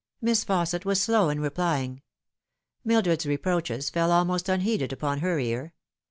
Miss Fausset was slow in replying. Mildred's reproaches fell almost unheeded upon her ear.